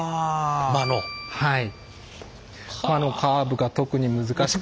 はい。